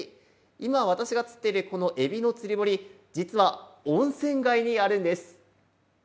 今、私が釣っているこのエビの釣り堀、実は温泉街にあるんです。